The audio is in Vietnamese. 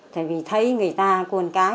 thì thấy người ta cuồn cái